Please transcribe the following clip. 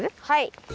はい。